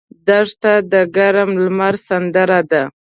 دښته د ګرم لمر سندره ده.